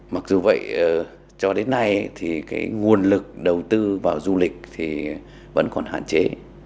mặc dù vậy cho đến nay nguồn lực đầu tư vào du lịch vẫn còn hạn chế